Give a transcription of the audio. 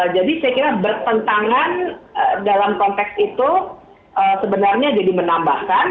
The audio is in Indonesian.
jadi saya kira bertentangan dalam konteks itu sebenarnya jadi menambahkan